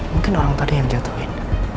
mungkin orang pada yang jatuhin